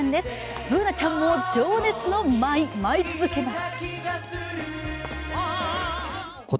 Ｂｏｏｎａちゃんも情熱の舞い、舞い続けます！